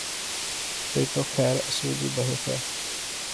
یہ تو خیر اصولی بحث ہے۔